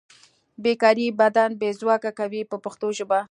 بې کاري بدن بې ځواکه کوي په پښتو ژبه.